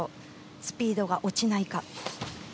スピードが落ちないか。